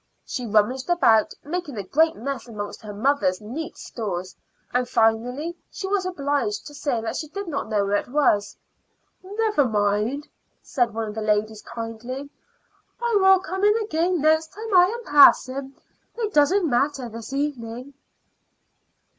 She rummaged about, making a great mess amongst her mother's neat stores; and finally she was obliged to say that she did not know where it was. "Never mind," said one of the ladies, kindly; "I will come in again next time I am passing. It doesn't matter this evening."